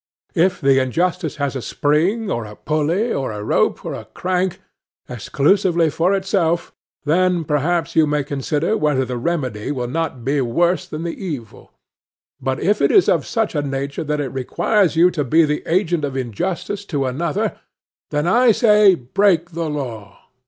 If the injustice has a spring, or a pulley, or a rope, or a crank, exclusively for itself, then perhaps you may consider whether the remedy will not be worse than the evil; but if it is of such a nature that it requires you to be the agent of injustice to another, then, I say, break the law.